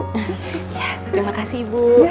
terima kasih ibu